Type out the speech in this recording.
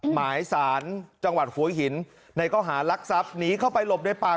หมายสารจังหวัดหัวหินในข้อหารักทรัพย์หนีเข้าไปหลบในป่า